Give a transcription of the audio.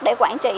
để quản trị